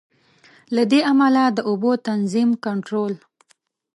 له دې امله د اوبو تنظیم، کنټرول.